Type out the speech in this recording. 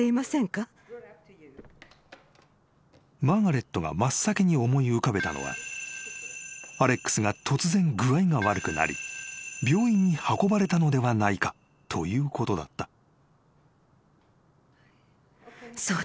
［マーガレットが真っ先に思い浮かべたのはアレックスが突然具合が悪くなり病院に運ばれたのではないかということだった］